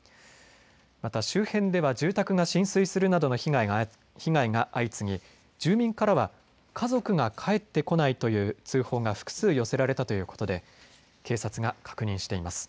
また周辺では住宅が浸水するなどの被害が相次ぎ住民からは家族が帰ってこないという通報が複数寄せられたということで警察が確認しています。